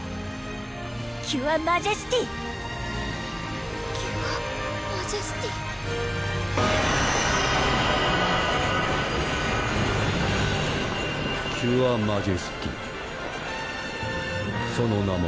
キュアマジェスティキュアマジェスティキュアマジェスティその名前